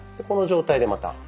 この状態でまた。